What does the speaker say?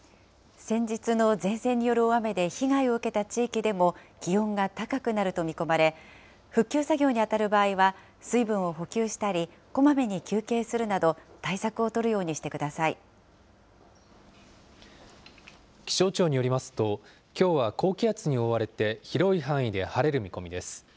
先日の前線による大雨で被害を受けた地域でも、気温が高くなると見込まれ、復旧作業に当たる場合は、水分を補給したりこまめに休憩するなど、対策を取るようにしてく気象庁によりますと、きょうは高気圧に覆われて、広い範囲で晴れる見込みです。